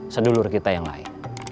sedulur kita yang lain